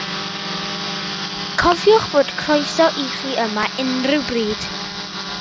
Cofiwch fod croeso i chi yma unrhyw bryd.